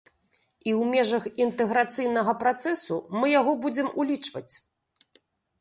І ў межах інтэграцыйнага працэсу мы яго будзем улічваць.